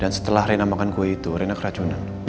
dan setelah rina makan kue itu rina keracunan